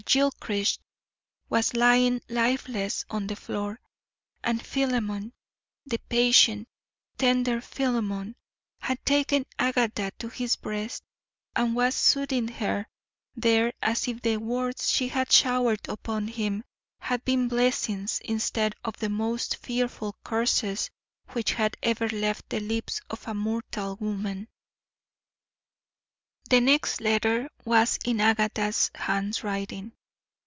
Gilchrist was lying lifeless on the floor, and Philemon, the patient, tender Philemon, had taken Agatha to his breast and was soothing her there as if the words she had showered upon him had been blessings instead of the most fearful curses which had ever left the lips of mortal woman. The next letter was in Agatha's handwriting.